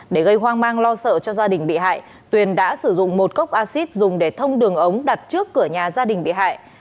để gây hoang mang lo sợ cho gia đình bị hại tuyền đã sử dụng một cốc acid dùng để thông đường ống đặt trước cửa nhà gia đình bị hại